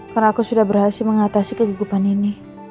karena aku sudah berhasil mengatasi kegugupan ini